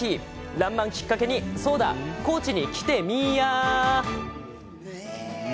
「らんまん」きっかけにそうだ、高知に来てみいや！